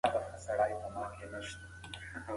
خپل چاپیریال د بریا لپاره برابر کړئ.